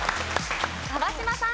川島さん。